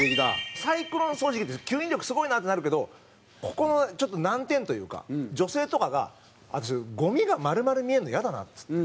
サイクロン掃除機って吸引力すごいなってなるけどここの難点というか、女性とかがゴミが丸々見えるのイヤだなっつって。